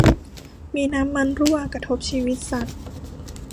มีน้ำมันรั่ว กระทบชีวิตสัตว์